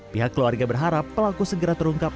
pihak keluarga berharap pelaku segera terungkap